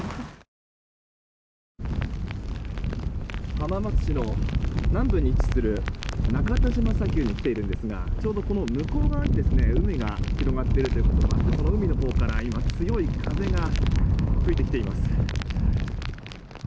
浜松市の南部に位置する中田島砂丘に来ているんですがちょうど、この向こう側に海が広がっているということでその海のほうから今、強い風が吹いてきています。